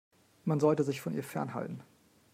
Man sollte sich von ihr fernhalten.